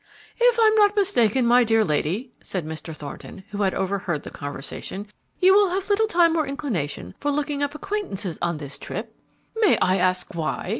"If I am not mistaken, my dear lady," said Mr. Thornton, who had overheard the conversation, "you will have little time or inclination for looking up acquaintances on this trip." "May I ask why?"